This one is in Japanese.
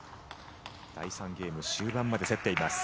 第３ゲーム終盤まで競っています。